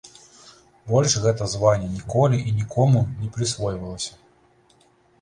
Больш гэта званне ніколі і нікому не прысвойвалася.